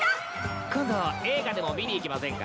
今度映画でも見に行きませんか？